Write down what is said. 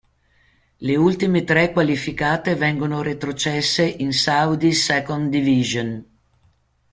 Le ultime tre qualificate vengono retrocesse in Saudi Second Division.